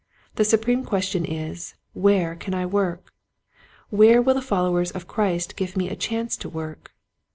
" The supreme question is, " Where can I work ? Where will the followers of Christ give me a chance to work?